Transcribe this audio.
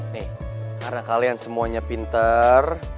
nih karena kalian semuanya pinter